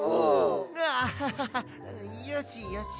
アハハハよしよし。